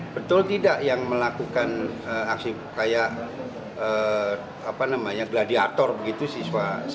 betul tidak yang melakukan aksi kayak gladiator begitu siswa